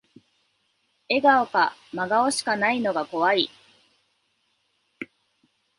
笑顔か真顔しかないのが怖い